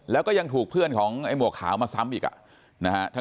แล้วก็ยังถูกเพื่อนของไอ้หมวกขาวมาซ้ำอีกนะฮะ